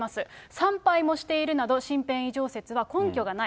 参拝もしているなど、身辺異常説は根拠がない。